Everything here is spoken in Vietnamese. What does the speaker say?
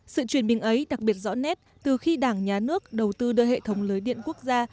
sự chuyển bình ấy đặc biệt rõ nét từ khi đảng nhà nước đầu tư đưa hệ thống lưới điện quốc gia